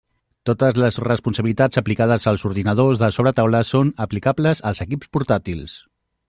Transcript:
Totes les responsabilitats aplicables als ordinadors de sobretaula són aplicables als equips portàtils.